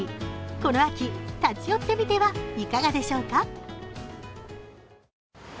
この秋、立ち寄ってみてはいかがでしょうか。